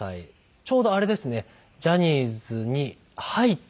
ちょうどあれですねジャニーズに入った時ですね。